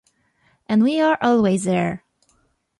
And we are always there.